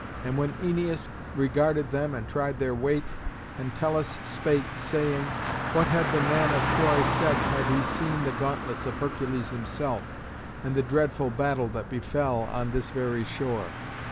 And when Æneas regarded them and tried their weight, Entellus spake, saying, "What had the man of Troy said had he seen the gauntlets of Hercules himself, and the dreadful battle that befell on this very shore?